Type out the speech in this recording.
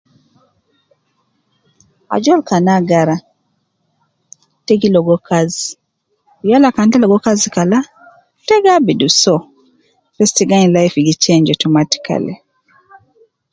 Ajol kan agara te gi ligo kazi, yala kan ta gi so kazi kala, te gaabidu so bes te gainu life gi change automatically.